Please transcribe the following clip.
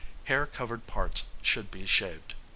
Hair covered parts should be shaved.